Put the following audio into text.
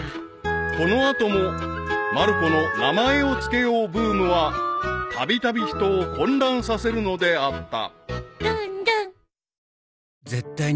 ［この後もまる子の「名前を付けようブーム」はたびたび人を混乱させるのであった］